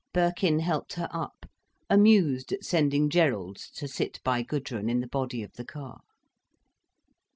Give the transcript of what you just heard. Birkin helped her up, amused at sending Gerald to sit by Gudrun in the body of the car.